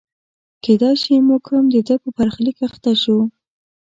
کېدای شي موږ هم د ده په برخلیک اخته شو.